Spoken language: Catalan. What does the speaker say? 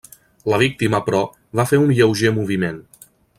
La víctima, però, va fer un lleuger moviment.